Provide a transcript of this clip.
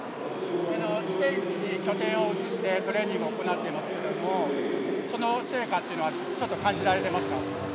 スペインに拠点を移してトレーニングを行ってますけどもその成果っていうのはちょっと感じられてますか？